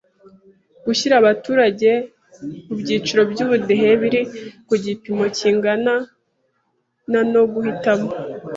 gushyira abaturage bu byiciro by ubudehe biri ku gipimo kingana na no guhitamo